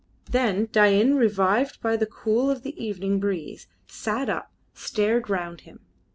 Then Dain, revived by the cool of the evening breeze, sat up and stared round him.